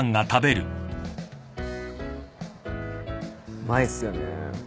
うまいっすよね。